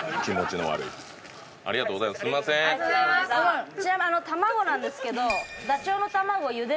ちなみに卵なんですけど。